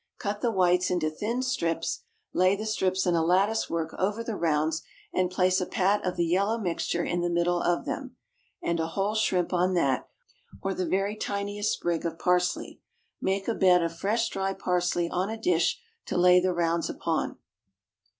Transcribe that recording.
Cut the whites into thin strips. Lay the strips in a lattice work over the rounds and place a pat of the yellow mixture in the middle of them, and a whole shrimp on that, or the very tiniest sprig of parsley. Make a bed of fresh dry parsley on a dish to lay the rounds upon.